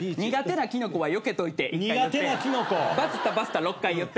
「バズったパスタ」６回言って。